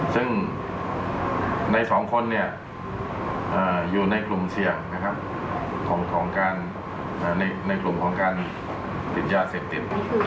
ซึ่งใน๒คนอยู่ในกลุ่มเสี่ยงของการในกลุ่มของการติดยาเสพติด